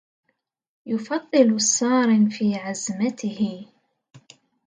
يفضل الصارم في عزمته